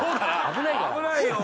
危ないよ。